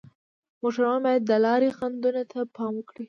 موټروان باید د لارې خنډونو ته پام وکړي.